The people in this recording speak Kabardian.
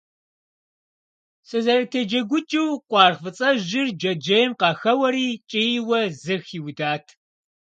Сызэрытеджэгукӏыу, къуаргъ фӏыцӏэжьыр джэджьейм къахэуэри, кӏийуэ зы хиудат.